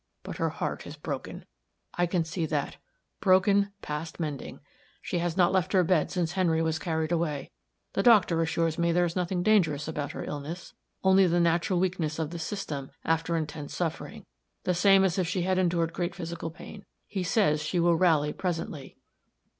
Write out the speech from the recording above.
But her heart is broken. I can see that broken, past mending. She has not left her bed since Henry was carried away; the doctor assures me there is nothing dangerous about her illness only the natural weakness of the system after intense suffering, the same as if she had endured great physical pain. He says she will rally presently."